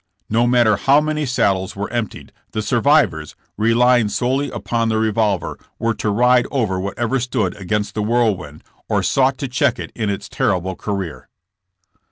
No matter how many saddles were emptied, the survivors— relying solely upon the re volver — were to ride over whatever stood against the whirlwind or sought to check it in its terrible career.